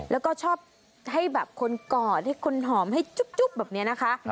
แล้วก็ชอบให้แบบคนกอดให้คนหอมให้จุ๊บแบบนี้นะคะ